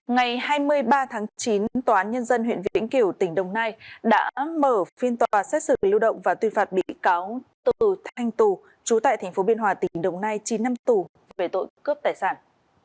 ngày hai mươi ba tháng chín tòa án nhân dân huyện vĩnh kiểu tỉnh đồng nai đã mở phiên tòa xét xử lưu động và tuyên phạt bị cáo từ thanh tù trú tại tp biên hòa tỉnh đồng nai chín năm tù về tội cướp tài sản